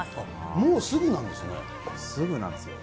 もうすぐなんですね。